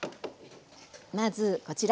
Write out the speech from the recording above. まずこちら。